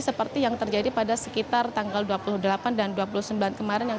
seperti yang terjadi pada sekitar tanggal dua puluh delapan dan dua puluh sembilan kemarin